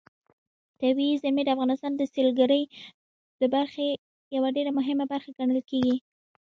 طبیعي زیرمې د افغانستان د سیلګرۍ د برخې یوه ډېره مهمه برخه ګڼل کېږي.